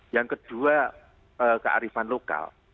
yang kedua kearifan lokal